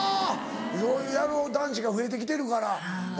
いろいろやる男子が増えて来てるから。